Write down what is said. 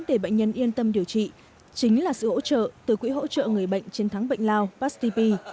để bệnh nhân yên tâm điều trị chính là sự hỗ trợ từ quỹ hỗ trợ người bệnh chiến thắng bệnh lào pastp